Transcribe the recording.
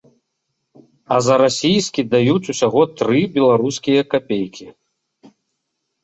А за расійскі даюць усяго тры беларускія капейкі.